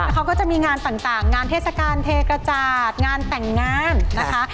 เขาก็จะมีงานต่างงานเทศกาลเทกระจาดงานแต่งงานนะคะ